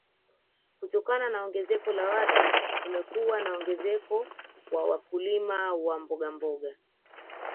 Kutokana ongezeko la watu kumekuwa na ongezeko kwa wakulima wa mbogamboga